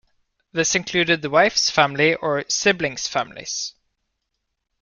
This included the wife's family or siblings' families.